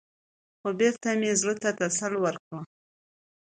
خـو بـېرته مـې زړه تـه تـسلا ورکړه.